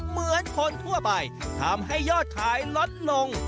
เหมือนคนทั่วไปทำให้ยอดขายลดลง